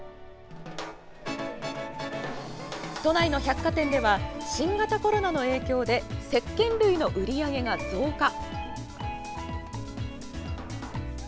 都内の百貨店では新型コロナの影響でせっけん類の売り上げが増加。